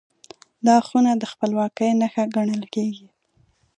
دا خونه د خپلواکۍ نښه ګڼل کېږي.